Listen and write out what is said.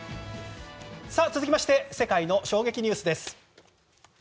続きまして世界の衝撃ニュースです。